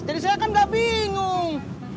jadi saya kan gak bingung